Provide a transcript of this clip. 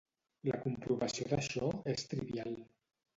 La comprovació d'això és trivial.